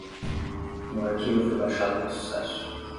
O arquivo foi baixado com sucesso.